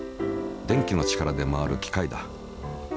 電気の力で回る機械だ。